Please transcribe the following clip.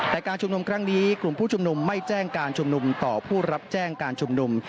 แต่การชุมนุมครั้งนี้กลุ่มผู้ชุมนุมไม่แจ้งการชุมนุมต่อผู้รับแจ้งการชุมนุม